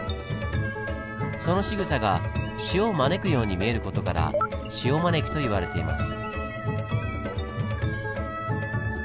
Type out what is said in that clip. そのしぐさが潮を招くように見える事からシオマネキと言われています。